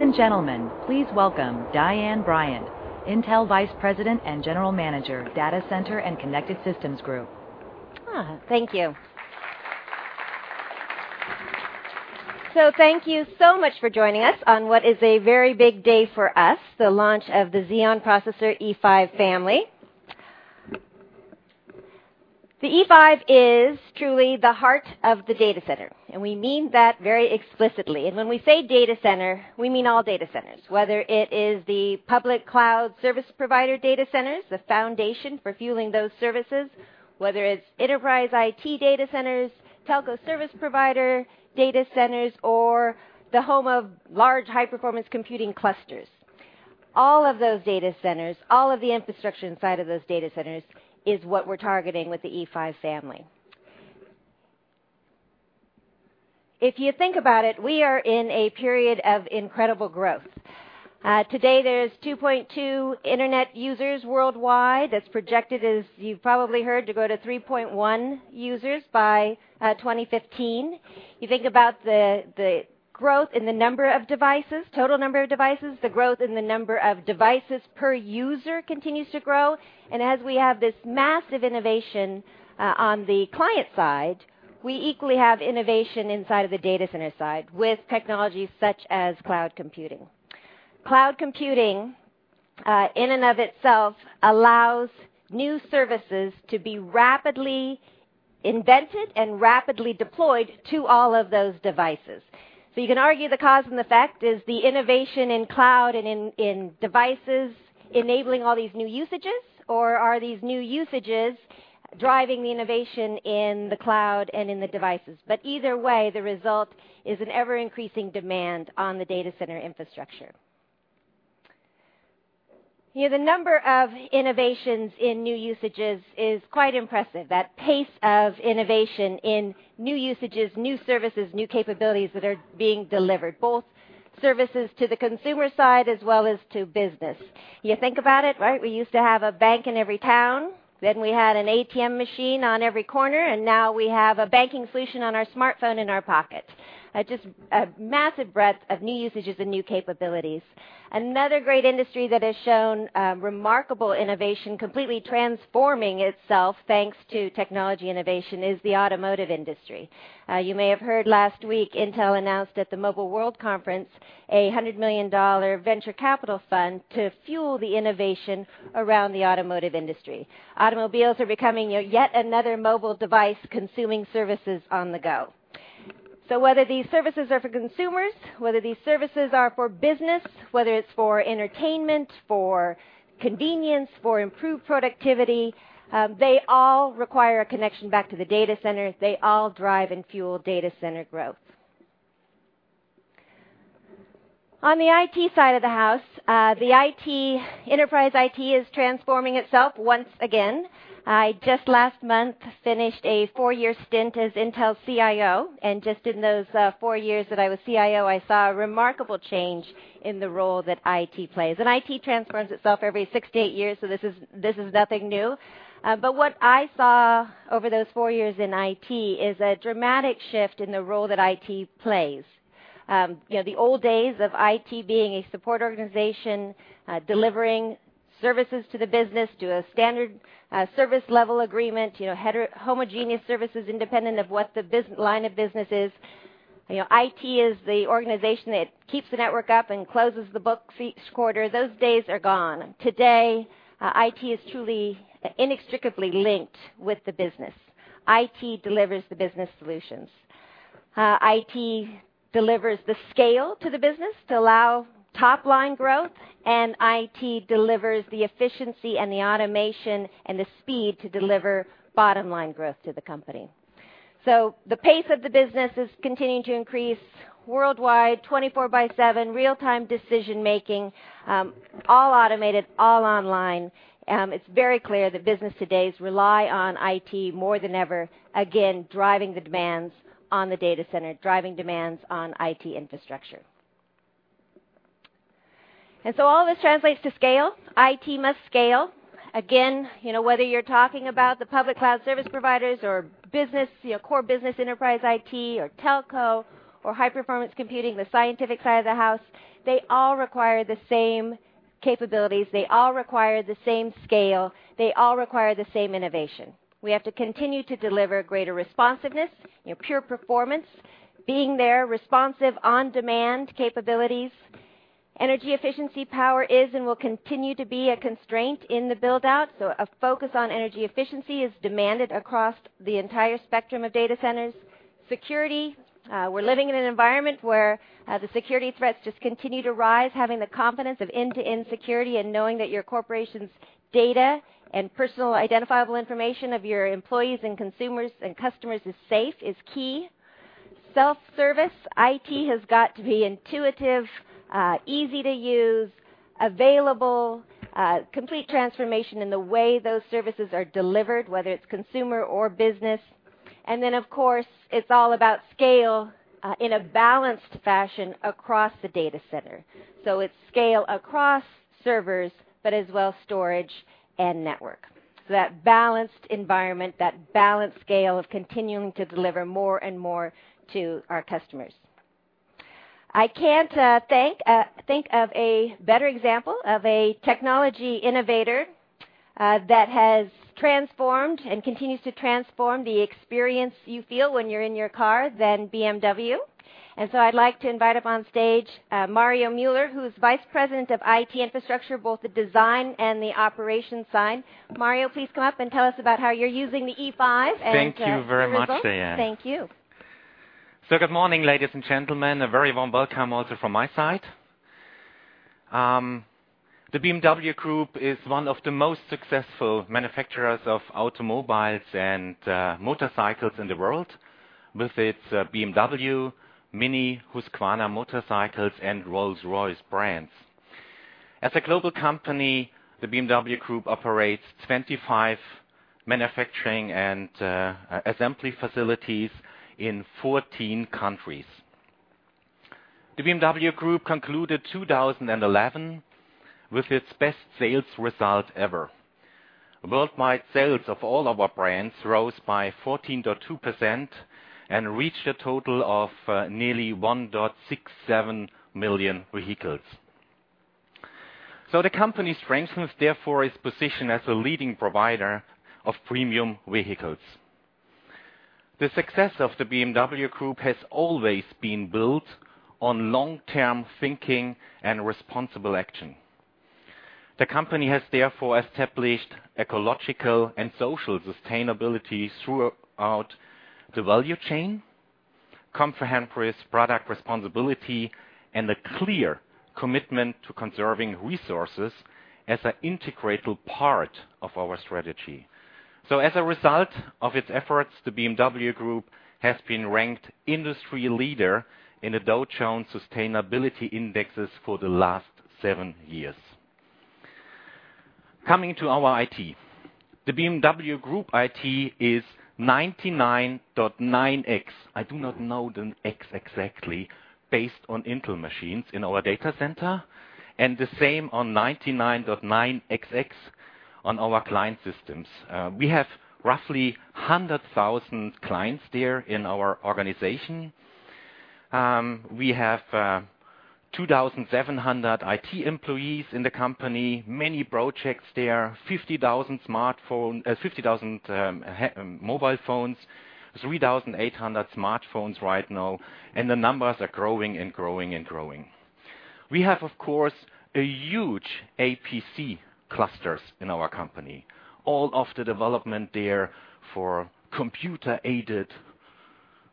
Ladies and gentlemen, please welcome Diane Bryant, Intel Vice President and General Manager, Data Center and Connected Systems Group. Thank you. Thank you so much for joining us on what is a very big day for us, the launch of the Intel Xeon Processor E5 Family. The E5 is truly the heart of the data center, and we mean that very explicitly. When we say data center, we mean all data centers, whether it is the public cloud service provider data centers, the foundation for fueling those services, whether it's enterprise IT data centers, telco service provider data centers, or the home of large high-performance computing clusters. All of those data centers, all of the infrastructure inside of those data centers is what we're targeting with the E5 Family. If you think about it, we are in a period of incredible growth. Today, there's 2.2 billion internet users worldwide. That's projected, as you've probably heard, to go to 3.1 billion users by 2015. You think about the growth in the number of devices, total number of devices, the growth in the number of devices per user continues to grow. As we have this massive innovation on the client side, we equally have innovation inside of the data center side with technologies such as cloud computing. Cloud computing, in and of itself, allows new services to be rapidly invented and rapidly deployed to all of those devices. You can argue the cause and effect is the innovation in cloud and in devices enabling all these new usages, or are these new usages driving the innovation in the cloud and in the devices? Either way, the result is an ever-increasing demand on the data center infrastructure. The number of innovations in new usages is quite impressive. That pace of innovation in new usages, new services, new capabilities that are being delivered, both services to the consumer side as well as to business. You think about it, right? We used to have a bank in every town, then we had an ATM machine on every corner, and now we have a banking solution on our smartphone in our pocket. Just a massive breadth of new usages and new capabilities. Another great industry that has shown remarkable innovation, completely transforming itself thanks to technology innovation, is the automotive industry. You may have heard last week Intel announced at the Mobile World Conference a $100 million venture capital fund to fuel the innovation around the automotive industry. Automobiles are becoming yet another mobile device consuming services on the go. Whether these services are for consumers, whether these services are for business, whether it's for entertainment, for convenience, for improved productivity, they all require a connection back to the data center. They all drive and fuel data center growth. On the IT side of the house, enterprise IT is transforming itself once again. I just last month finished a four-year stint as Intel CIO, and just in those four years that I was CIO, I saw a remarkable change in the role that IT plays. IT transforms itself every six to eight years, so this is nothing new. What I saw over those four years in IT is a dramatic shift in the role that IT plays. The old days of IT being a support organization, delivering services to the business to a standard service level agreement, homogeneous services independent of what the line of business is, are gone. IT is the organization that keeps the network up and closes the books each quarter. Those days are gone. Today, IT is truly inextricably linked with the business. IT delivers the business solutions. IT delivers the scale to the business to allow top-line growth, and IT delivers the efficiency and the automation and the speed to deliver bottom-line growth to the company. The pace of the business is continuing to increase worldwide, 24/7, real-time decision making, all automated, all online. It's very clear that business today rely on IT more than ever, again, driving the demands on the data center, driving demands on IT infrastructure. All this translates to scale. IT must scale. Whether you're talking about the public cloud service providers or business, core business enterprise IT or telco or high-performance computing, the scientific side of the house, they all require the same capabilities. They all require the same scale. They all require the same innovation. We have to continue to deliver greater responsiveness, pure performance, being there, responsive on-demand capabilities. Energy efficiency power is and will continue to be a constraint in the build-out, so a focus on energy efficiency is demanded across the entire spectrum of data centers. Security, we're living in an environment where the security threats just continue to rise. Having the confidence of end-to-end security and knowing that your corporation's data and personal identifiable information of your employees and consumers and customers is safe is key. Self-service, IT has got to be intuitive, easy to use, available, complete transformation in the way those services are delivered, whether it's consumer or business. Of course, it's all about scale in a balanced fashion across the data center. It's scale across servers, as well as storage and network. That balanced environment, that balanced scale of continuing to deliver more and more to our customers. I can't think of a better example of a technology innovator that has transformed and continues to transform the experience you feel when you're in your car than BMW. I'd like to invite up on stage Mario Müller, who's Vice President of IT Infrastructure, both the design and the operation side. Mario, please come up and tell us about how you're using the E5. Thank you very much, Diane. Thank you. Good morning, ladies and gentlemen. A very warm welcome also from my side. The BMW Group is one of the most successful manufacturers of automobiles and motorcycles in the world, with its BMW, Mini, Husqvarna Motorcycles, and Rolls-Royce brands. As a global company, the BMW Group operates 25 manufacturing and assembly facilities in 14 countries. The BMW Group concluded 2011 with its best sales result ever. Worldwide sales of all our brands rose by 14.2% and reached a total of nearly 1.67 million vehicles. The company strengthens, therefore, its position as a leading provider of premium vehicles. The success of the BMW Group has always been built on long-term thinking and responsible action. The company has, therefore, established ecological and social sustainability throughout the value chain, comprehensive product responsibility, and a clear commitment to conserving resources as an integral part of our strategy. As a result of its efforts, the BMW Group has been ranked industry leader in the Dow Jones Sustainability Indexes for the last seven years. Coming to our IT, the BMW Group IT is 99.9x, I do not know the X exactly, based on Intel machines in our data center, and the same on 99.9xx on our client systems. We have roughly 100,000 clients there in our organization. We have 2,700 IT employees in the company, many projects there, 50,000 mobile phones, 3,800 smartphones right now, and the numbers are growing and growing and growing. We have, of course, huge HPC clusters in our company. All of the development there for computer-aided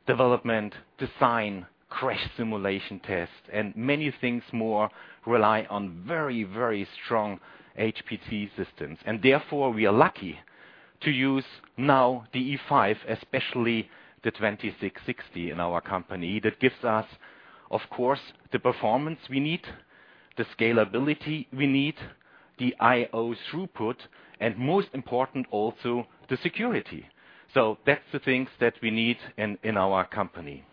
development, design, crash simulation tests, and many things more rely on very, very strong HPC systems. We are lucky to use now the E5, especially the E5-2660 in our company. That gives us, of course, the performance we need, the scalability we need, the I/O throughput, and most important also, the security. Those are the things that we need in our company.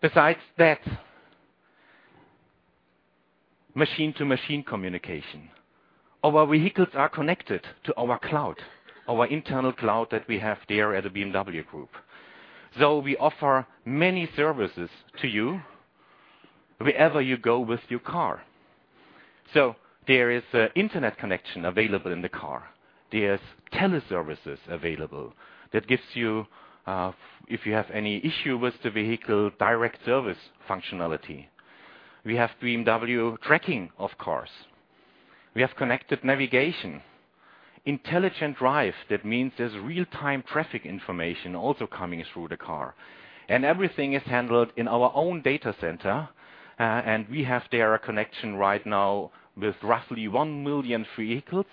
Besides that, machine-to-machine communication. Our vehicles are connected to our cloud, our internal cloud that we have there at the BMW Group. We offer many services to you wherever you go with your car. There is an internet connection available in the car. There are tele-services available that give you, if you have any issue with the vehicle, direct service functionality. We have BMW tracking, of course. We have connected navigation, intelligent drive. That means there is real-time traffic information also coming through the car. Everything is handled in our own data center. We have there a connection right now with roughly 1 million vehicles,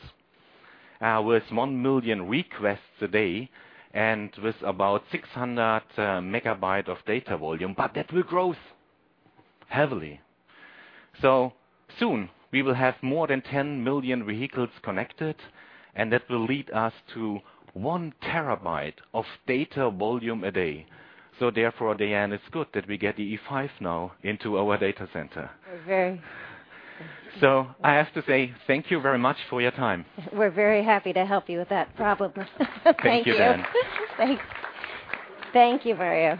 with 1 million requests a day, and with about 600 MB of data volume. That will grow heavily. Soon, we will have more than 10 million vehicles connected, and that will lead us to 1 TB of data volume a day. Therefore, Diane, it's good that we get the E5 now into our data center. Thank you. I have to say thank you very much for your time. We're very happy to help you with that problem. Thank you, Diane. Thank you, Mario.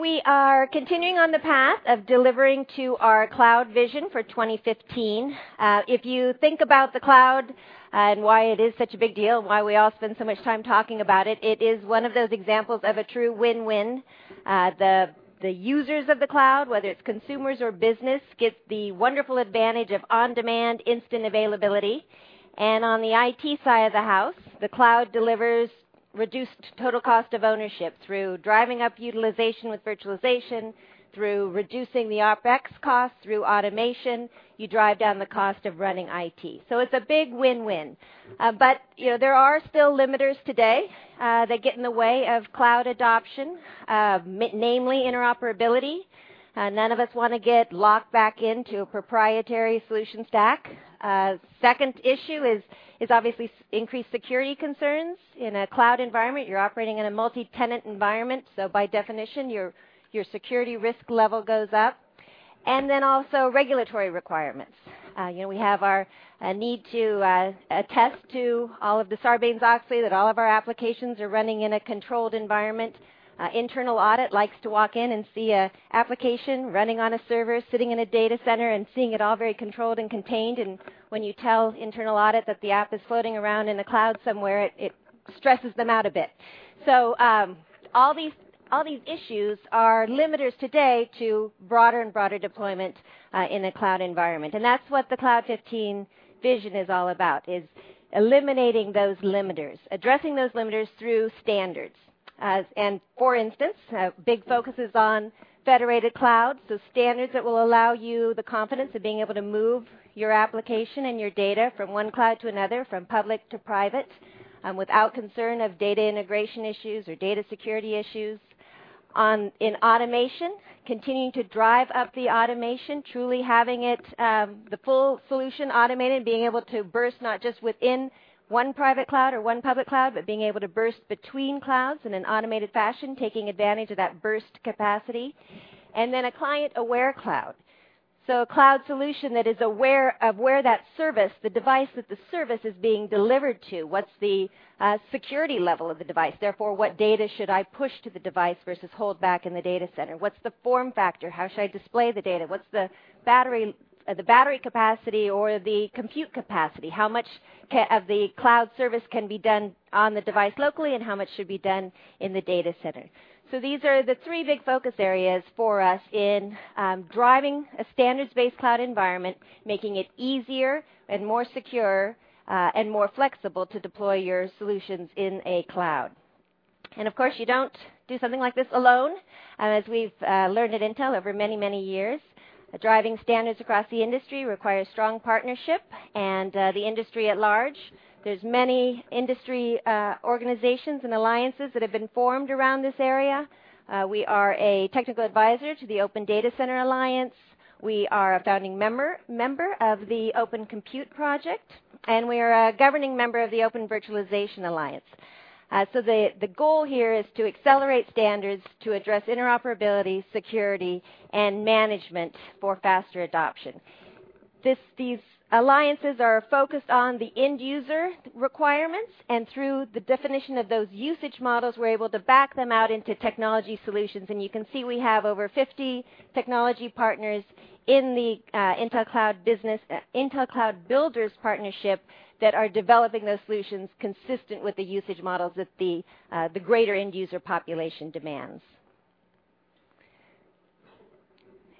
We are continuing on the path of delivering to our cloud vision for 2015. If you think about the cloud and why it is such a big deal and why we all spend so much time talking about it, it is one of those examples of a true win-win. The users of the cloud, whether it's consumers or business, get the wonderful advantage of on-demand instant availability. On the IT side of the house, the cloud delivers reduced total cost of ownership through driving up utilization with virtualization, through reducing the OpEx cost, through automation. You drive down the cost of running IT. It is a big win-win. There are still limiters today that get in the way of cloud adoption, namely interoperability. None of us want to get locked back into a proprietary solution stack. The second issue is obviously increased security concerns. In a cloud environment, you're operating in a multi-tenant environment. By definition, your security risk level goes up. There are also regulatory requirements. We have our need to attest to all of the Sarbanes-Oxley that all of our applications are running in a controlled environment. Internal audit likes to walk in and see an application running on a server, sitting in a data center, and seeing it all very controlled and contained. When you tell internal audit that the app is floating around in the cloud somewhere, it stresses them out a bit. All these issues are limiters today to broader and broader deployment in a cloud environment. That is what the Cloud 15 vision is all about, eliminating those limiters, addressing those limiters through standards. For instance, a big focus is on federated clouds, so standards that will allow you the confidence of being able to move your application and your data from one cloud to another, from public to private, without concern of data integration issues or data security issues. In automation, continuing to drive up the automation, truly having the full solution automated, being able to burst not just within one private cloud or one public cloud, but being able to burst between clouds in an automated fashion, taking advantage of that burst capacity. A client-aware cloud is also important, a cloud solution that is aware of where that service, the device that the service is being delivered to, what's the security level of the device. Therefore, what data should I push to the device versus hold back in the data center. What's the form factor, how should I display the data? What's the battery capacity or the compute capacity? How much of the cloud service can be done on the device locally, and how much should be done in the data center? These are the three big focus areas for us in driving a standards-based cloud environment, making it easier, more secure, and more flexible to deploy your solutions in a cloud. Of course, you don't do something like this alone. As we've learned at Intel over many, many years, driving standards across the industry requires strong partnership and the industry at large. There are many industry organizations and alliances that have been formed around this area. We are a technical advisor to the Open Data Center Alliance. We are a founding member of the Open Compute Project, and we are a governing member of the Open Virtualization Alliance. The goal here is to accelerate standards to address interoperability, security, and management for faster adoption. These alliances are focused on the end user requirements, and through the definition of those usage models, we're able to back them out into technology solutions. You can see we have over 50 technology partners in the Intel Cloud Builders partnership that are developing those solutions consistent with the usage models that the greater end user population demands.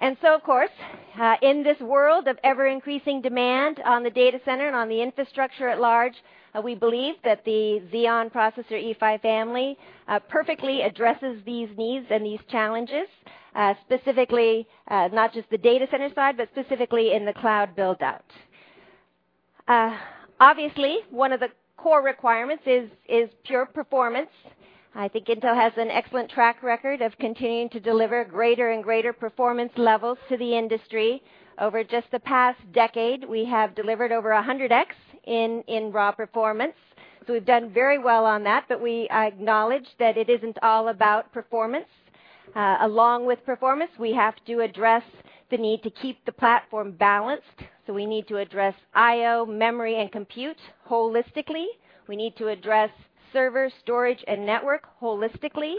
In this world of ever-increasing demand on the data center and on the infrastructure at large, we believe that the Intel Xeon Processor E5 Family perfectly addresses these needs and these challenges, specifically not just the data center side, but specifically in the cloud build-out. Obviously, one of the core requirements is pure performance. I think Intel has an excellent track record of continuing to deliver greater and greater performance levels to the industry. Over just the past decade, we have delivered over 100x in raw performance. We've done very well on that, but we acknowledge that it isn't all about performance. Along with performance, we have to address the need to keep the platform balanced. We need to address I/O, memory, and compute holistically. We need to address server, storage, and network holistically.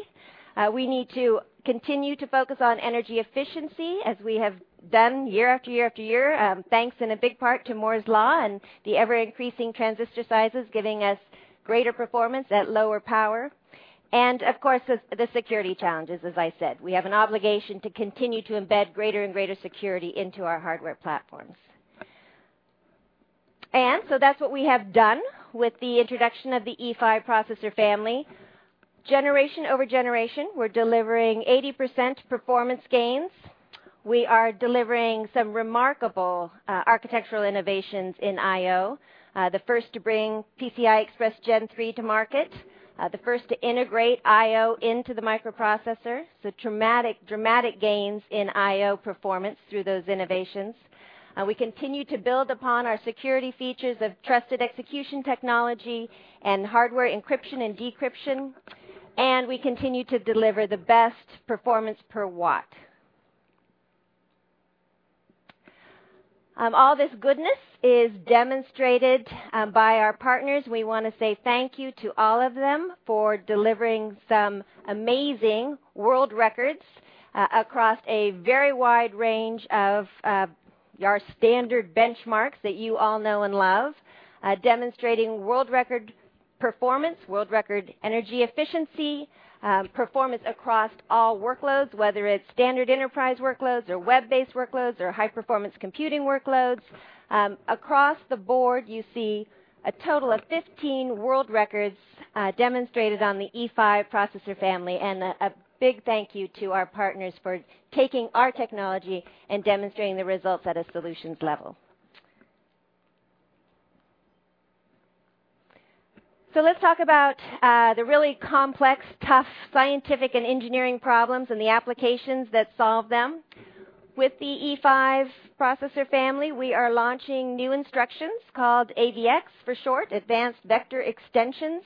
We need to continue to focus on energy efficiency, as we have done year after year after year, thanks in a big part to Moore's law and the ever-increasing transistor sizes giving us greater performance at lower power. Of course, the security challenges, as I said. We have an obligation to continue to embed greater and greater security into our hardware platforms. That's what we have done with the introduction of the E5 Processor amily. Generation over generation, we're delivering 80% performance gains. We are delivering some remarkable architectural innovations in I/O. The first to bring PCI Express 3.0 to market, the first to integrate I/O into the microprocessor. Dramatic, dramatic gains in I/O performance through those innovations. We continue to build upon our security features of Trusted Execution Technology and hardware encryption and decryption. We continue to deliver the best performance per watt. All this goodness is demonstrated by our partners. We want to say thank you to all of them for delivering some amazing world records across a very wide range of our standard benchmarks that you all know and love, demonstrating world record performance, world record energy efficiency, performance across all workloads, whether it's standard enterprise workloads or web-based workloads or high-performance computing workloads. Across the board, you see a total of 15 world records demonstrated on the E5 Processor Family. A big thank you to our partners for taking our technology and demonstrating the results at a solution level. Let's talk about the really complex, tough scientific and engineering problems and the applications that solve them. With the E5 Processor Family, we are launching new instructions called AVX for short, Advanced Vector Extensions.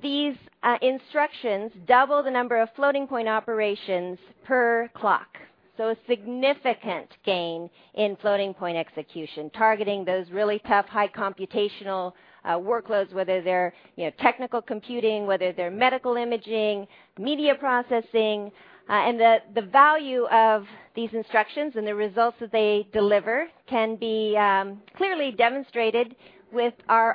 These instructions double the number of floating point operations per clock. A significant gain in floating point execution, targeting those really tough high computational workloads, whether they're technical computing, whether they're medical imaging, media processing. The value of these instructions and the results that they deliver can be clearly demonstrated with the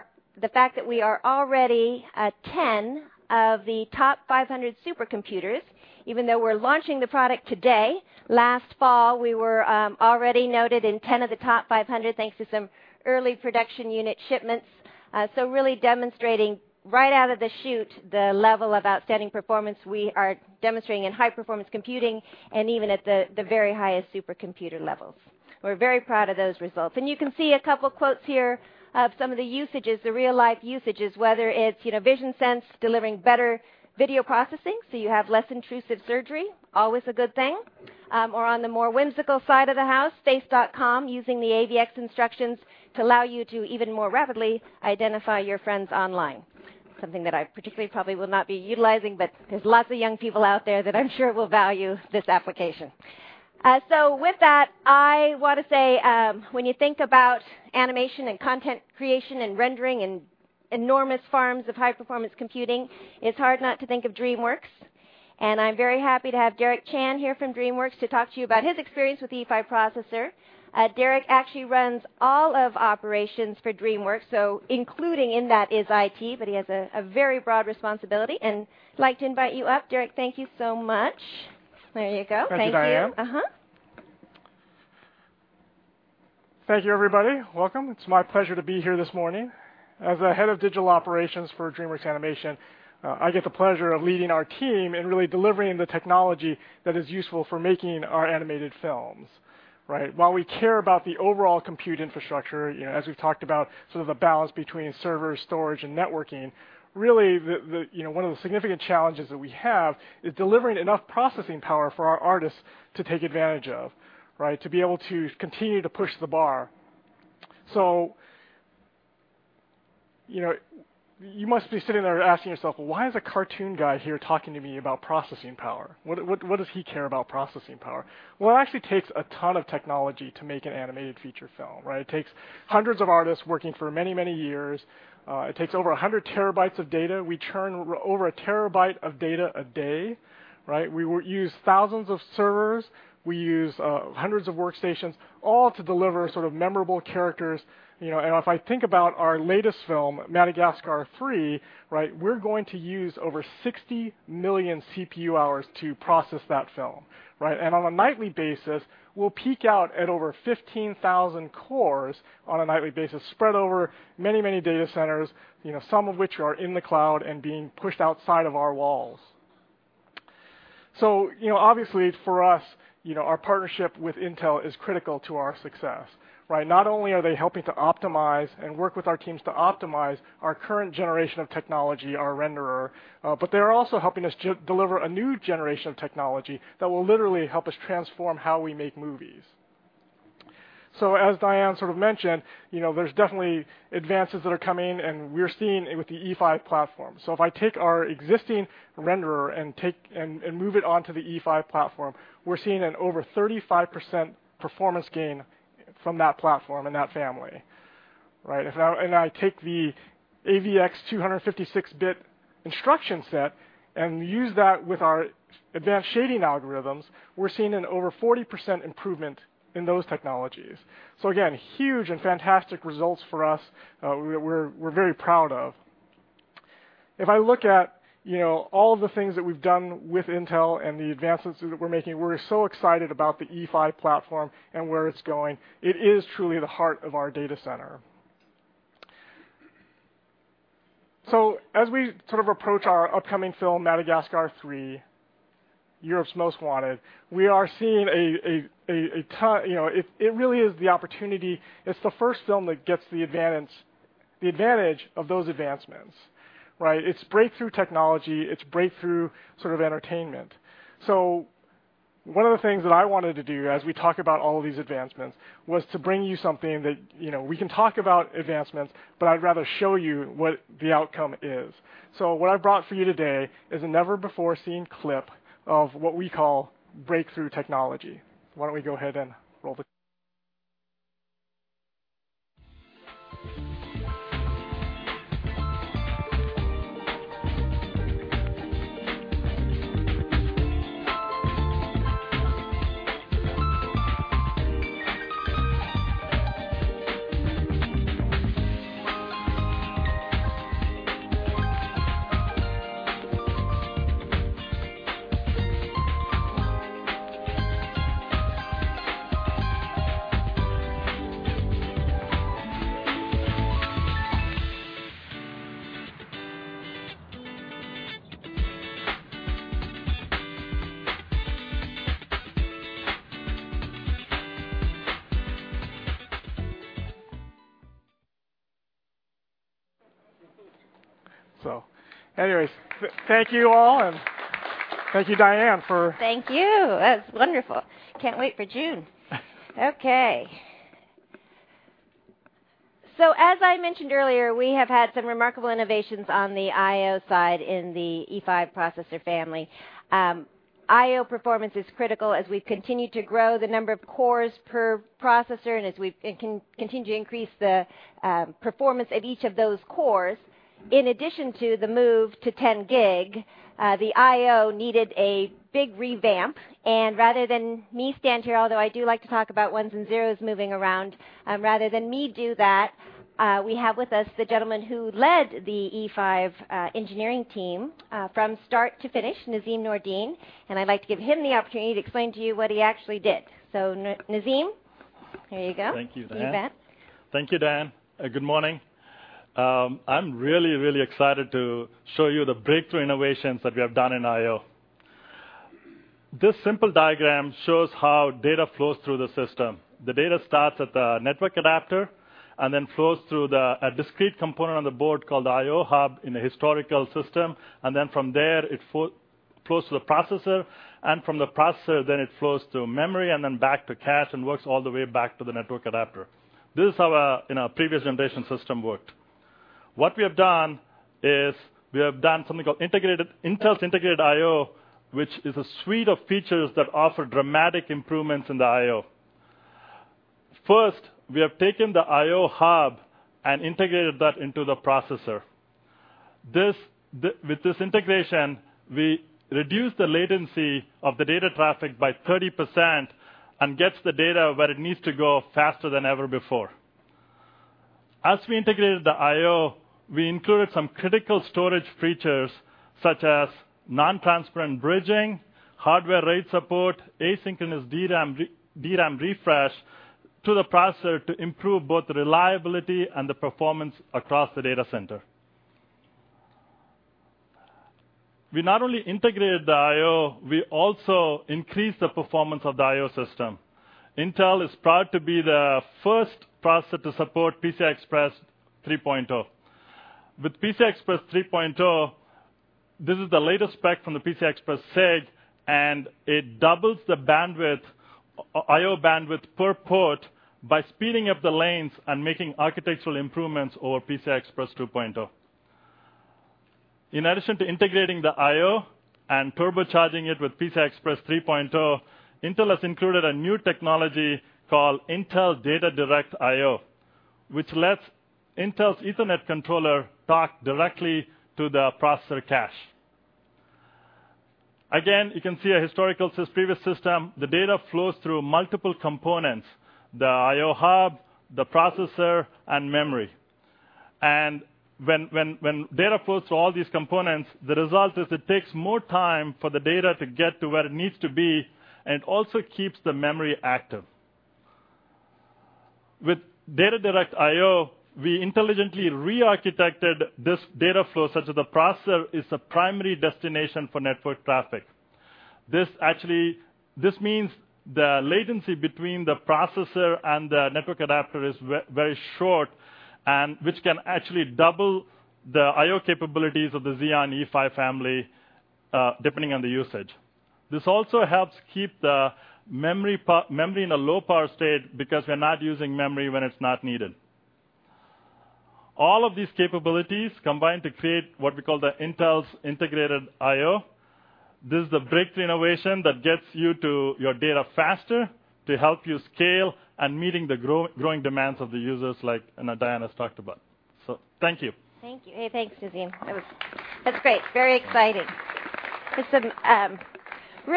fact that we are already in 10 of the top 500 supercomputers. Even though we're launching the product today, last fall, we were already noted in 10 of the top 500 thanks to some early production unit shipments. Really demonstrating right out of the chute the level of outstanding performance we are demonstrating in high-performance computing and even at the very highest supercomputer levels. We're very proud of those results. You can see a couple of quotes here of some of the usages, the real-life usages, whether it's VisionSense delivering better video processing, so you have less intrusive surgery, always a good thing. On the more whimsical side of the house, Face.com using the AVX instructions to allow you to even more rapidly identify your friends online. Something that I particularly probably will not be utilizing, but there's lots of young people out there that I'm sure will value this application. With that, I want to say when you think about animation and content creation and rendering and enormous farms of high-performance computing, it's hard not to think of DreamWorks. I'm very happy to have Derek Chan here from DreamWorks to talk to you about his experience with the E5 Processor. Derek actually runs all of operations for DreamWorks, so including in that is IT, but he has a very broad responsibility. I'd like to invite you up. Derek, thank you so much. There you go. Thank you, Diane. Thank you, everybody. Welcome. It's my pleasure to be here this morning. As Head of Digital Operations for DreamWorks Animation, I get the pleasure of leading our team in really delivering the technology that is useful for making our animated films. While we care about the overall compute infrastructure, as we've talked about, the balance between server, storage, and networking, really one of the significant challenges that we have is delivering enough processing power for our artists to take advantage of, to be able to continue to push the bar. You must be sitting there asking yourself, why is a cartoon guy here talking to me about processing power? What does he care about processing power? It actually takes a ton of technology to make an animated feature film. It takes hundreds of artists working for many, many years. It takes over 100 TB of data. We churn over a TB of data a day. We use thousands of servers. We use hundreds of workstations, all to deliver memorable characters. If I think about our latest film, Madagascar 3, we're going to use over 60 million CPUh to process that film. On a nightly basis, we'll peak out at over 15,000 cores on a nightly basis, spread over many, many data centers, some of which are in the cloud and being pushed outside of our walls. For us, our partnership with Intel is critical to our success. Not only are they helping to optimize and work with our teams to optimize our current generation of technology, our renderer, but they are also helping us deliver a new generation of technology that will literally help us transform how we make movies. As Diane mentioned, there are definitely advances that are coming, and we're seeing it with the E5 platform. If I take our existing renderer and move it onto the E5 platform, we're seeing an over 35% performance gain from that platform in that family. If I take the AVX 256-bit instruction set and use that with our advanced shading algorithms, we're seeing an over 40% improvement in those technologies. Huge and fantastic results for us that we're very proud of. If I look at all of the things that we've done with Intel and the advances that we're making, we're so excited about the E5 platform and where it's going. It is truly the heart of our data center. As we approach our upcoming film, Madagascar 3, Europe's Most Wanted, we are seeing a ton. It really is the opportunity. It's the first film that gets the advantage of those advancements. It's breakthrough technology. It's breakthrough sort of entertainment. One of the things that I wanted to do as we talk about all of these advancements was to bring you something that we can talk about advancements, but I'd rather show you what the outcome is. What I brought for you today is a never-before-seen clip of what we call breakthrough technology. Why don't we go ahead and roll the. Thank you all, and thank you, Diane, for. Thank you. That's wonderful. Can't wait for June. As I mentioned earlier, we have had some remarkable innovations on the I/O side in the E5 processor family. I/O performance is critical as we've continued to grow the number of cores per processor and as we continue to increase the performance of each of those cores. In addition to the move to 10 GB, the I/O needed a big revamp. Rather than me stand here, although I do like to talk about ones and zeros moving around, rather than me do that, we have with us the gentleman who led the E5 engineering team from start to finish, Naveen Narayan. I'd like to give him the opportunity to explain to you what he actually did. Naveen, here you go. Thank you, Diane. You bet. Thank you, Diane. Good morning. I'm really, really excited to show you the breakthrough innovations that we have done in I/O. This simple diagram shows how data flows through the system. The data starts at the network adapter and then flows through a discrete component on the board called the I/O hub in the historical system. From there, it flows to the processor. From the processor, it flows to memory and then back to cache and works all the way back to the network adapter. This is how a previous generation system worked. What we have done is we have done something called Intel Integrated I/O, which is a suite of features that offer dramatic improvements in the I/O. First, we have taken the I/O hub and integrated that into the processor. With this integration, we reduce the latency of the data traffic by 30% and get the data where it needs to go faster than ever before. As we integrated the I/O, we included some critical storage features, such as non-transparent bridging, hardware RAID support, asynchronous DRAM refresh to the processor to improve both the reliability and the performance across the data center. We not only integrated the I/O, we also increased the performance of the I/O system. Intel is proud to be the first processor to support PCI Express 3.0. With PCI Express 3.0, this is the latest spec from the PCI Express SAGE, and it doubles the I/O bandwidth per port by speeding up the lanes and making architectural improvements over PCI Express 2.0. In addition to integrating the I/O and turbocharging it with PCI Express 3.0, Intel has included a new technology called Intel Data Direct I/O, which lets Intel's Ethernet controller talk directly to the processor cache. Again, you can see a historical previous system. The data flows through multiple components: the I/O hub, the processor, and memory. When data flows through all these components, the result is it takes more time for the data to get to where it needs to be, and it also keeps the memory active. With Data Direct I/O, we intelligently re-architected this data flow, such that the processor is the primary destination for network traffic. This means the latency between the processor and the network adapter is very short, which can actually double the I/O capabilities of the Xeon E5 Family, depending on the usage. This also helps keep the memory in a low power state because we're not using memory when it's not needed. All of these capabilities combined to create what we call Intel Integrated I/O. This is the breakthrough innovation that gets you to your data faster to help you scale and meet the growing demands of the users like Diane has talked about. Thank you. Thank you. Hey, thanks, Naveen. That's great. It's very exciting. It's some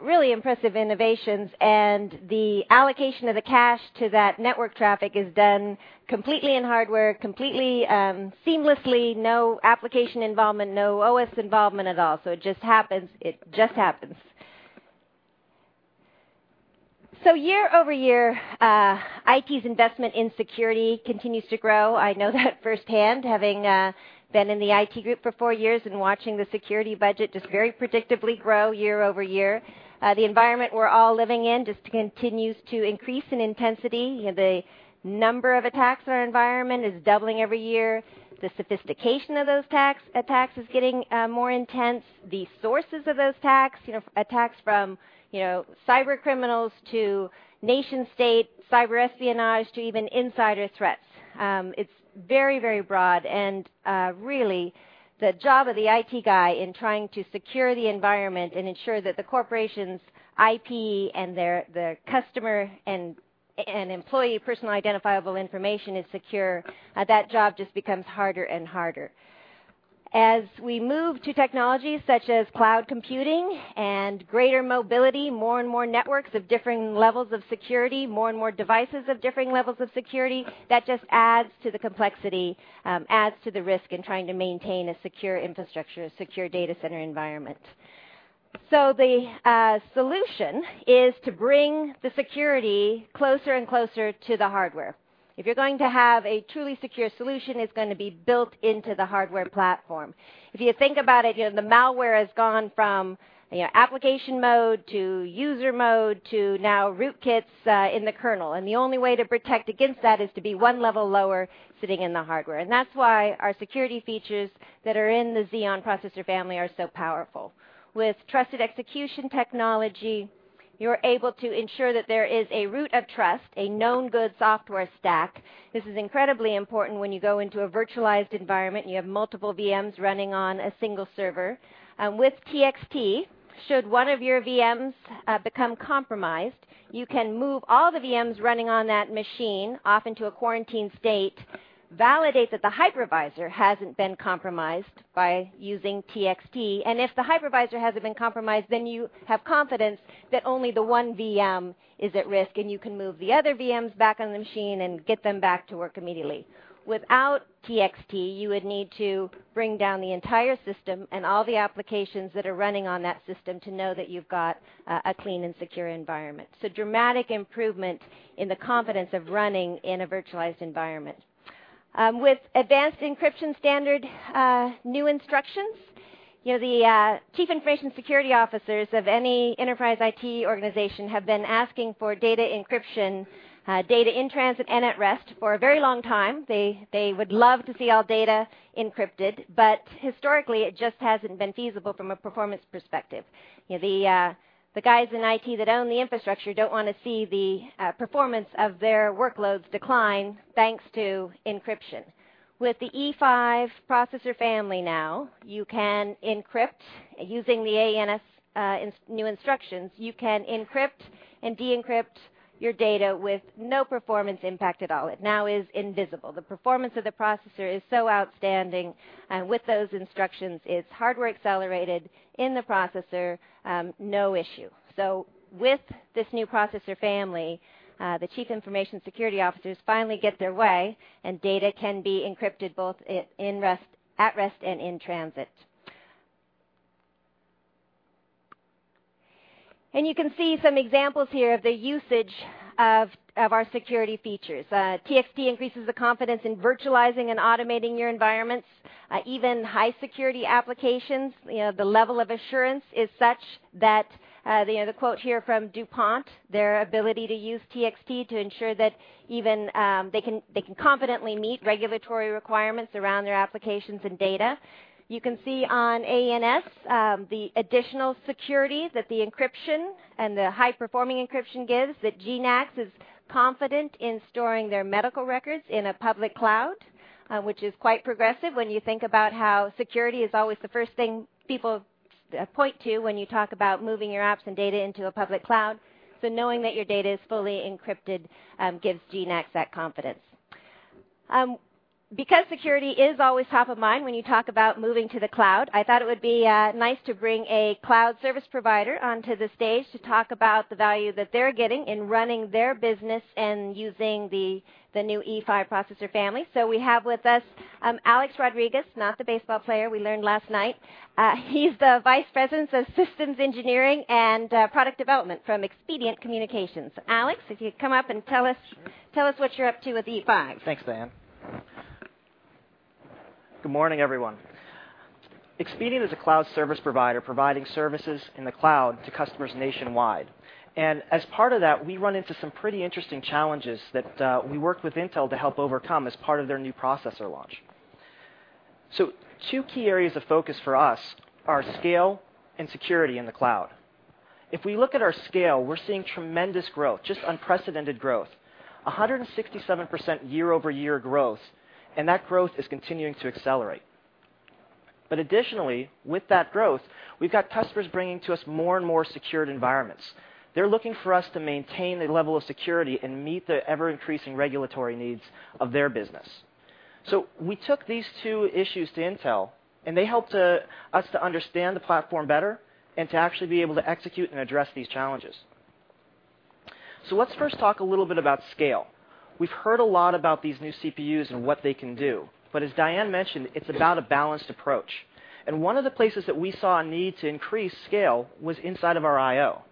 really impressive innovations. The allocation of the cache to that network traffic is done completely in hardware, completely seamlessly, no application involvement, no OS involvement at all. It just happens. It just happens. Year over year, IT's investment in security continues to grow. I know that firsthand, having been in the IT group for four years and watching the security budget just very predictably grow year over year. The environment we're all living in just continues to increase in intensity. The number of attacks in our environment is doubling every year. The sophistication of those attacks is getting more intense. The sources of those attacks, attacks from cyber criminals to nation-state cyber espionage to even insider threats, it's very, very broad. Really, the job of the IT guy in trying to secure the environment and ensure that the corporation's IP and the customer and employee personal identifiable information is secure, that job just becomes harder and harder. As we move to technologies such as cloud computing and greater mobility, more and more networks of differing levels of security, more and more devices of differing levels of security, that just adds to the complexity, adds to the risk in trying to maintain a secure infrastructure, a secure data center environment. The solution is to bring the security closer and closer to the hardware. If you're going to have a truly secure solution, it's going to be built into the hardware platform. If you think about it, the malware has gone from application mode to user mode to now rootkits in the kernel. The only way to protect against that is to be one level lower sitting in the hardware. That's why our security features that are in the Xeon processor family are so powerful. With Trusted Execution Technology, you're able to ensure that there is a root of trust, a known good software stack. This is incredibly important when you go into a virtualized environment and you have multiple VMs running on a single server. With TXT, should one of your VMs become compromised, you can move all the VMs running on that machine off into a quarantined state, validate that the hypervisor hasn't been compromised by using TXT. If the hypervisor hasn't been compromised, then you have confidence that only the one VM is at risk, and you can move the other VMs back on the machine and get them back to work immediately. Without Trusted Execution Technology, you would need to bring down the entire system and all the applications that are running on that system to know that you've got a clean and secure environment. This is a dramatic improvement in the confidence of running in a virtualized environment. With Advanced Encryption Standard New Instructions, the Chief Information Security Officers of any enterprise IT organization have been asking for data encryption, data in transit and at rest, for a very long time. They would love to see all data encrypted, but historically, it just hasn't been feasible from a performance perspective. The guys in IT that own the infrastructure don't want to see the performance of their workloads decline thanks to encryption. With E5 Processor Family now, you can encrypt using the AES new instructions. You can encrypt and decrypt your data with no performance impact at all. It now is invisible. The performance of the processor is so outstanding, and with those instructions, it's hardware accelerated in the processor, no issue. With this new processor family, the Chief Information Security Officers finally get their way, and data can be encrypted both at rest and in transit. You can see some examples here of the usage of our security features. TXT increases the confidence in virtualizing and automating your environments. Even high-security applications, the level of assurance is such that the quote here from DuPont, their ability to use TXT to ensure that even they can confidently meet regulatory requirements around their applications and data. You can see on AES the additional security that the encryption and the high-performing encryption gives, that GeneX is confident in storing their medical records in a public cloud, which is quite progressive when you think about how security is always the first thing people point to when you talk about moving your apps and data into a public cloud. Knowing that your data is fully encrypted gives GeneX that confidence. Security is always top of mind when you talk about moving to the cloud. I thought it would be nice to bring a cloud service provider onto the stage to talk about the value that they're getting in running their business and using the new Intel E5 Processor Family. We have with us Alex Rodriguez, not the baseball player we learned last night. He's the Vice President of Systems Engineering and Product Development from Expedient Communications. Alex, if you could come up and tell us what you're up to with E5. Thanks, Diane. Good morning, everyone. Expedient is a cloud service provider providing services in the cloud to customers nationwide. As part of that, we run into some pretty interesting challenges that we worked with Intel to help overcome as part of their new processor launch. Two key areas of focus for us are scale and security in the cloud. If we look at our scale, we're seeing tremendous growth, just unprecedented growth, 167% year-over-year growth. That growth is continuing to accelerate. Additionally, with that growth, we've got customers bringing to us more and more secured environments. They're looking for us to maintain the level of security and meet the ever-increasing regulatory needs of their business. We took these two issues to Intel, and they helped us to understand the platform better and to actually be able to execute and address these challenges. Let's first talk a little bit about scale. We've heard a lot about these new CPUs and what they can do. As Diane mentioned, it's about a balanced approach. One of the places that we saw a need to increase scale was inside of our I/O.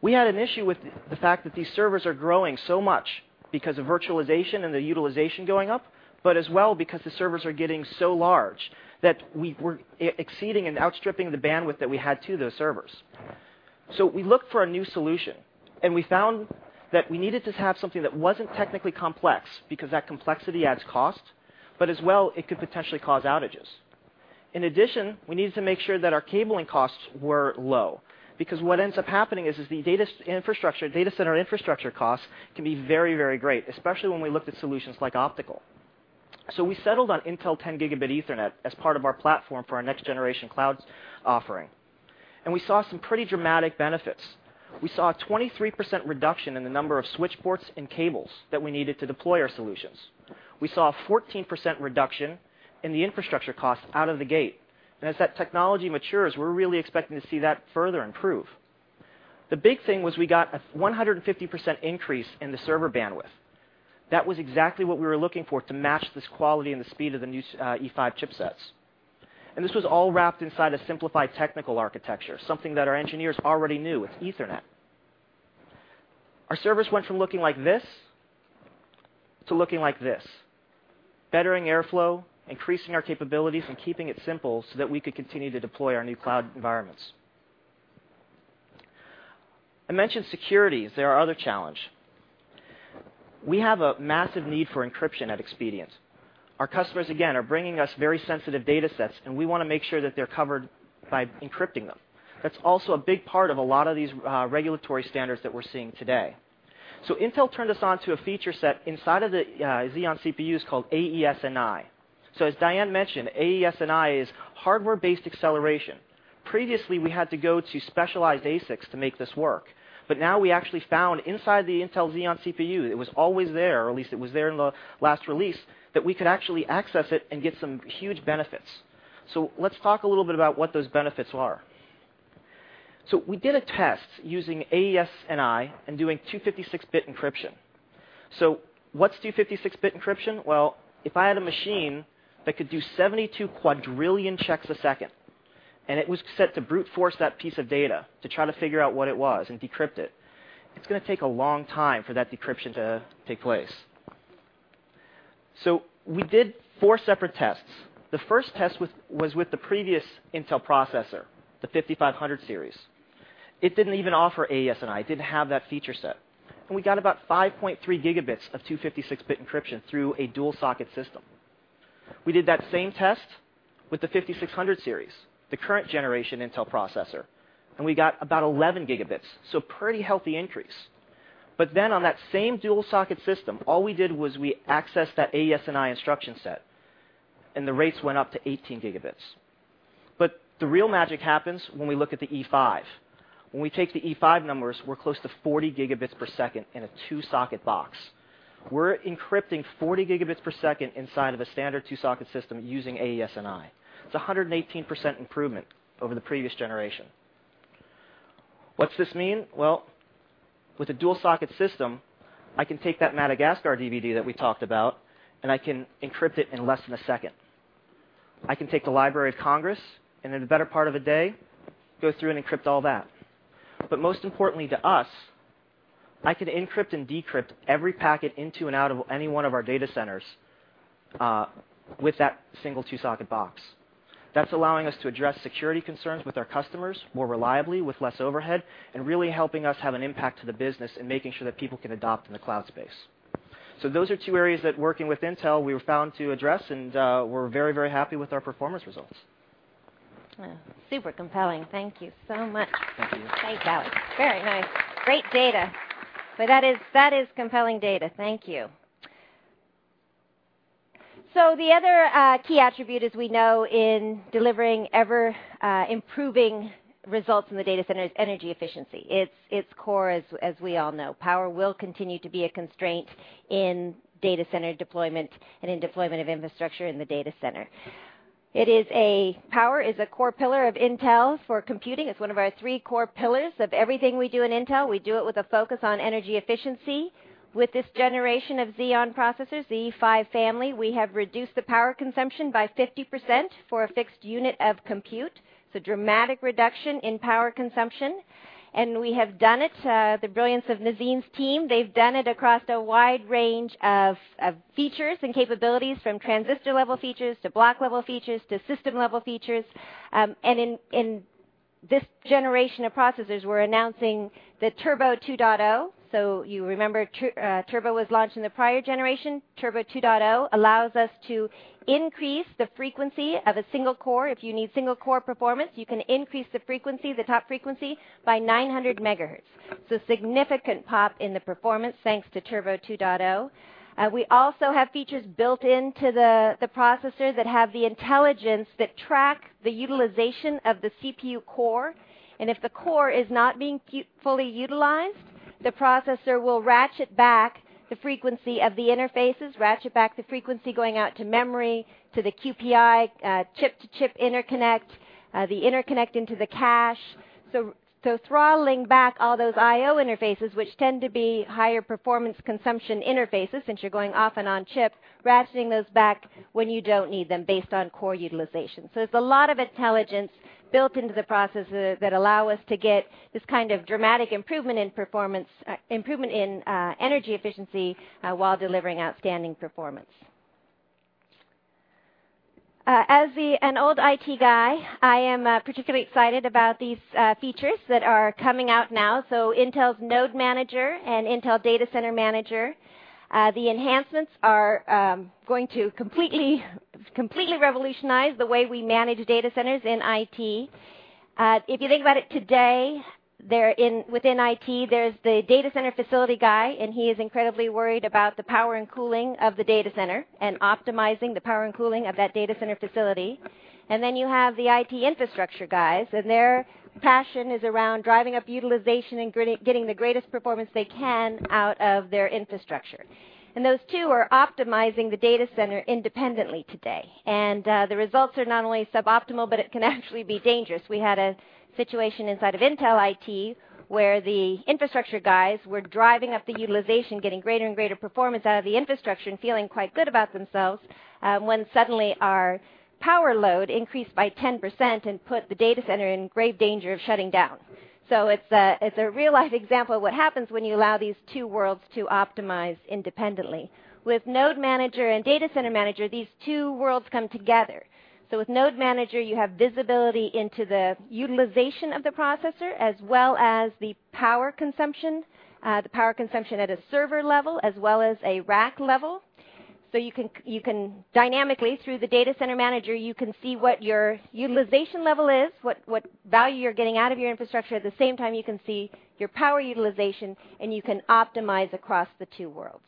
We had an issue with the fact that these servers are growing so much because of virtualization and the utilization going up, as well because the servers are getting so large that we were exceeding and outstripping the bandwidth that we had to those servers. We looked for a new solution. We found that we needed to have something that wasn't technically complex because that complexity adds cost, as well, it could potentially cause outages. In addition, we needed to make sure that our cabling costs were low. What ends up happening is the data center infrastructure costs can be very, very great, especially when we looked at solutions like optical. We settled on Intel 10 Gb Ethernet as part of our platform for our next-generation cloud offering. We saw some pretty dramatic benefits. We saw a 23% reduction in the number of switchboards and cables that we needed to deploy our solutions. We saw a 14% reduction in the infrastructure costs out of the gate. As that technology matures, we're really expecting to see that further improve. The big thing was we got a 150% increase in the server bandwidth. That was exactly what we were looking for to match this quality and the speed of the new E5 chipsets. This was all wrapped inside a simplified technical architecture, something that our engineers already knew, it's Ethernet. Our servers went from looking like this to looking like this, bettering airflow, increasing our capabilities, and keeping it simple so that we could continue to deploy our new cloud environments. I mentioned security is our other challenge. We have a massive need for encryption at Expedient. Our customers, again, are bringing us very sensitive data sets, and we want to make sure that they're covered by encrypting them. That's also a big part of a lot of these regulatory standards that we're seeing today. Intel turned us on to a feature set inside of the Xeon CPUs called AES-NI. As Diane mentioned, AES-NI is hardware-based acceleration. Previously, we had to go to specialized ASICs to make this work. Now we actually found inside the Intel Xeon CPU, it was always there, or at least it was there in the last release, that we could actually access it and get some huge benefits. Let's talk a little bit about what those benefits are. We did a test using AES-NI and doing 256-bit encryption. What's 256-bit encryption? If I had a machine that could do 72 quadrillion checks a second, and it was set to brute force that piece of data to try to figure out what it was and decrypt it, it's going to take a long time for that decryption to take place. We did four separate tests. The first test was with the previous Intel processor, the 5500 Series. It didn't even offer AES-NI. It didn't have that feature set. We got about 5.3 Gb of 256-bit encryption through a dual socket system. We did that same test with the 5600 series, the current generation Intel processor, and we got about 11 Gb, a pretty healthy increase. On that same dual socket system, all we did was we accessed that AES-NI instruction set, and the rates went up to 18 Gb. The real magic happens when we look at the E5. When we take the E5 numbers, we're close to 40 Gb/s in a two-socket box. We're encrypting 40 Gb/s inside of a standard two-socket system using AES-NI. It's a 118% improvement over the previous generation. What's this mean? With a dual socket system, I can take that Madagascar DVD that we talked about, and I can encrypt it in less than a second. I can take the Library of Congress and in a better part of a day go through and encrypt all that. Most importantly to us, I can encrypt and decrypt every packet into and out of any one of our data centers with that single two-socket box. That is allowing us to address security concerns with our customers more reliably with less overhead, and really helping us have an impact to the business and making sure that people can adopt in the cloud space. Those are two areas that working with Intel, we were found to address, and we're very, very happy with our performance results. Super compelling. Thank you so much. Thank you. Thanks, Alex. Very nice. Great data. That is compelling data. Thank you. The other key attribute, as we know, in delivering ever-improving results in the data center is energy efficiency. It's its core, as we all know. Power will continue to be a constraint in data center deployment and in deployment of infrastructure in the data center. Power is a core pillar of Intel for computing. It's one of our three core pillars of everything we do in Intel. We do it with a focus on energy efficiency. With this generation of Xeon Processors, the E5 Family, we have reduced the power consumption by 50% for a fixed unit of compute. It's a dramatic reduction in power consumption. We have done it, the brilliance of Naveen's team, they've done it across a wide range of features and capabilities, from transistor-level features to block-level features to system-level features. In this generation of processors, we're announcing the Turbo 2.0. You remember Turbo was launched in the prior generation. Turbo 2.0 allows us to increase the frequency of a single core. If you need single-core performance, you can increase the frequency, the top frequency, by 900 MHz. A significant pop in the performance thanks to Turbo 2.0. We also have features built into the processor that have the intelligence that track the utilization of the CPU core. If the core is not being fully utilized, the processor will ratchet back the frequency of the interfaces, ratchet back the frequency going out to memory, to the QPI, chip-to-chip interconnect, the interconnect into the cache. Throttling back all those I/O interfaces, which tend to be higher performance consumption interfaces since you're going off and on chip, ratcheting those back when you don't need them based on core utilization. There's a lot of intelligence built into the process that allow us to get this kind of dramatic improvement in performance, improvement in energy efficiency while delivering outstanding performance. As an old IT guy, I am particularly excited about these features that are coming out now. Intel's Node Manager and Intel Data Center Manager, the enhancements are going to completely revolutionize the way we manage data centers in IT. If you think about it today, within IT, there's the data center facility guy, and he is incredibly worried about the power and cooling of the data center and optimizing the power and cooling of that data center facility. You have the IT infrastructure guys, and their passion is around driving up utilization and getting the greatest performance they can out of their infrastructure. Those two are optimizing the data center independently today. The results are not only suboptimal, but it can actually be dangerous. We had a situation inside of Intel IT where the infrastructure guys were driving up the utilization, getting greater and greater performance out of the infrastructure and feeling quite good about themselves when suddenly our power load increased by 10% and put the data center in grave danger of shutting down. It is a real-life example of what happens when you allow these two worlds to optimize independently. With Node Manager and Data Center Manager, these two worlds come together. With Node Manager, you have visibility into the utilization of the processor as well as the power consumption, the power consumption at a server level as well as a rack level. You can dynamically, through the Data Center Manager, see what your utilization level is, what value you're getting out of your infrastructure. At the same time, you can see your power utilization, and you can optimize across the two worlds.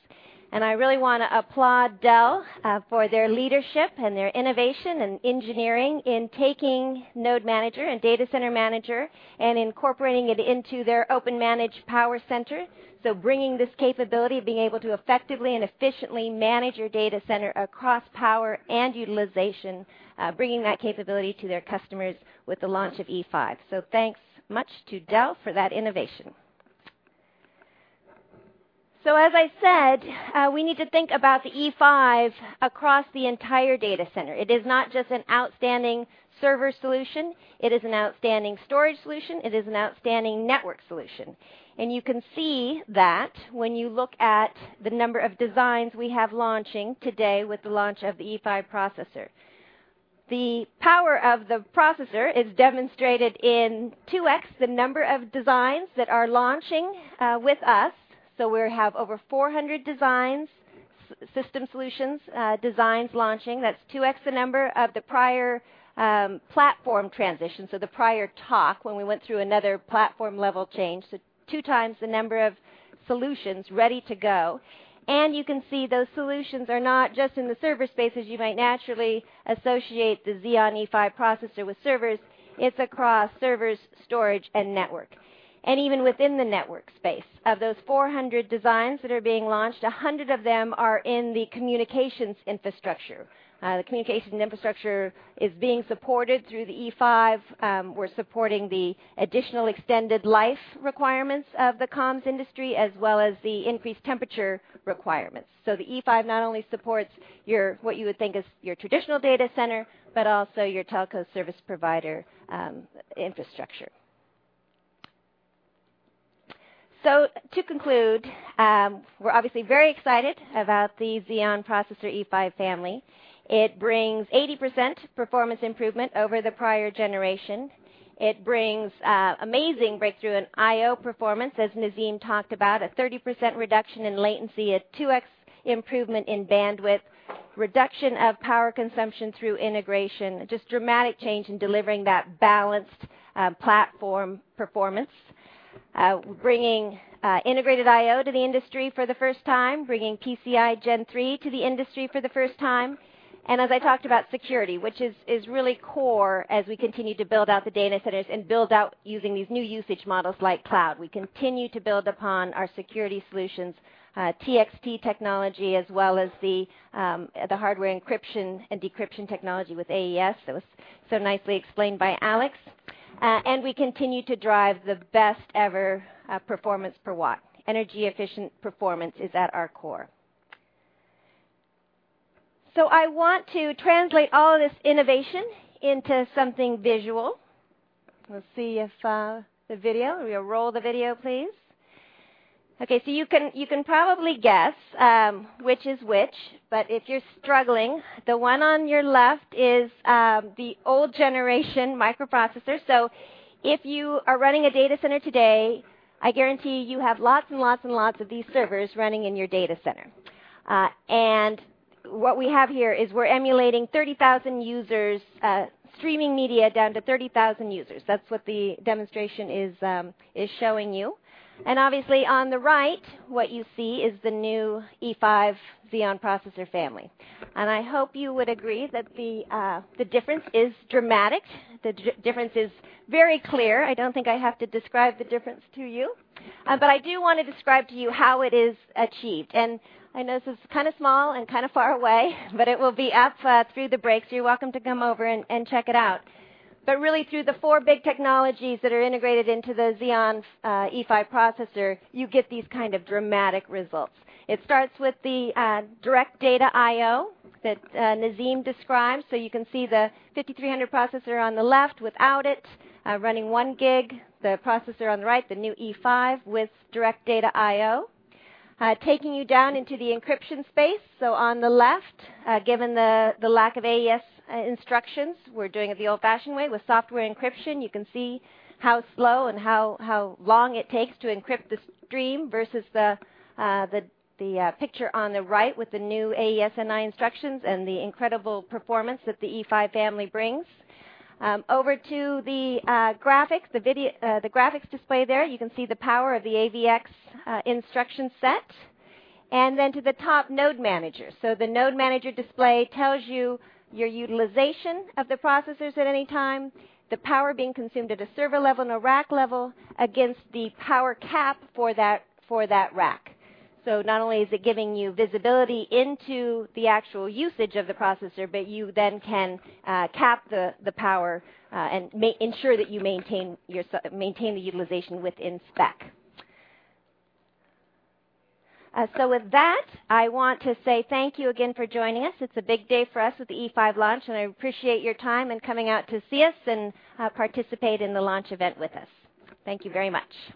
I really want to applaud Dell for their leadership and their innovation and engineering in taking Node Manager and Data Center Manager and incorporating it into their open-managed power center. Bringing this capability of being able to effectively and efficiently manage your data center across power and utilization, bringing that capability to their customers with the launch of E5. Thanks much to Dell for that innovation. As I said, we need to think about the E5 across the entire data center. It is not just an outstanding server solution. It is an outstanding storage solution. It is an outstanding network solution. You can see that when you look at the number of designs we have launching today with the launch of the E5 Processor. The power of the processor is demonstrated in 2x, the number of designs that are launching with us. We have over 400 designs, system solutions, designs launching. That's 2x the number of the prior platform transition, the prior talk when we went through another platform-level change. Two times the number of solutions ready to go. You can see those solutions are not just in the server spaces you might naturally associate the Xeon E5 Processor with servers. It's across servers, storage, and network. Even within the network space, of those 400 designs that are being launched, 100 of them are in the communications infrastructure. The communications infrastructure is being supported through the E5. We're supporting the additional extended life requirements of the comms industry as well as the increased temperature requirements. The E5 not only supports what you would think is your traditional data center, but also your telco service provider infrastructure. To conclude, we're obviously very excited about the Xeon Processor E5 Family. It brings 80% performance improvement over the prior generation. It brings amazing breakthrough in I/O performance, as Naveen talked about, a 30% reduction in latency, a 2x improvement in bandwidth, reduction of power consumption through integration, just dramatic change in delivering that balanced platform performance. We're bringing Intel Integrated I/O to the industry for the first time, bringing PCI Gen 3 to the industry for the first time. As I talked about security, which is really core as we continue to build out the data centers and build out using these new usage models like cloud, we continue to build upon our security solutions, TXT Technology, as well as the hardware encryption and decryption technology with AES, so nicely explained by Alex. We continue to drive the best ever performance per watt. Energy-efficient performance is at our core. I want to translate all of this innovation into something visual. We'll see if the video, we'll roll the video, please. OK, you can probably guess which is which. If you're struggling, the one on your left is the old generation microprocessor. If you are running a data center today, I guarantee you have lots and lots and lots of these servers running in your data center. What we have here is we're emulating 30,000 users streaming media down to 30,000 users. That's what the demonstration is showing you. Obviously, on the right, what you see is the new E5 Xeon Processor Family. I hope you would agree that the difference is dramatic. The difference is very clear. I don't think I have to describe the difference to you. I do want to describe to you how it is achieved. I know this is kind of small and kind of far away, but it will be up through the breaks. You're welcome to come over and check it out. Really, through the four big technologies that are integrated into Xeon E5 Processor, you get these kind of dramatic results. It starts with the Direct Data I/O that Naveen described. You can see the 5300 Processor on the left without it, running 1 GB, the processor on the right, the new E5 with Direct Data I/O, taking you down into the encryption space. On the left, given the lack of AES instructions, we're doing it the old-fashioned way with software encryption. You can see how slow and how long it takes to encrypt the stream versus the picture on the right with the new AES&I instructions and the incredible performance that the E5 Family brings. Over to the graphics, the graphics display there, you can see the power of the AVX instruction set. At the top, Node Manager. The Node Manager display tells you your utilization of the processors at any time, the power being consumed at a server level and a rack level against the power cap for that rack. Not only is it giving you visibility into the actual usage of the processor, but you then can cap the power and ensure that you maintain the utilization within spec. With that, I want to say thank you again for joining us. It's a big day for us with the E5 launch, and I appreciate your time and coming out to see us and participate in the launch event with us. Thank you very much.